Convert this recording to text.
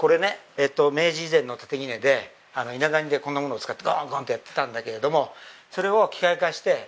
明治以前の竪杵で伊那谷でこんなものを使ってゴンゴンってやってたんだけどもそれを機械化して。